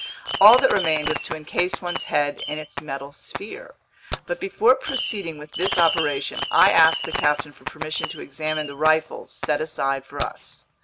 All that remained was to encase one's head in its metal sphere. But before proceeding with this operation, I asked the captain for permission to examine the rifles set aside for us.